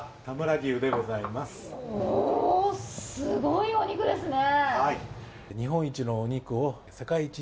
すごいお肉ですね。